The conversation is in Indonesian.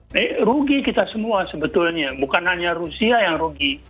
ini rugi kita semua sebetulnya bukan hanya rusia yang rugi